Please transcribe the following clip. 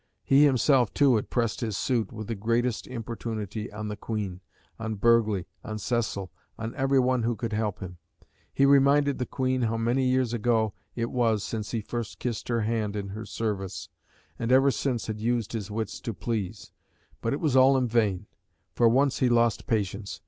He himself, too, had pressed his suit with the greatest importunity on the Queen, on Burghley, on Cecil, on every one who could help him; he reminded the Queen how many years ago it was since he first kissed her hand in her service, and ever since had used his wits to please; but it was all in vain. For once he lost patience.